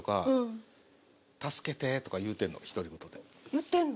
言ってんの？